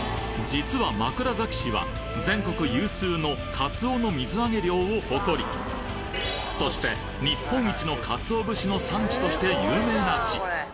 実は枕崎市は、全国有数のカツオの水揚げ量を誇り、そして、日本一のカツオ節の産地として有名な地。